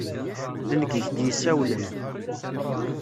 D nekk i k-d-yessawlen.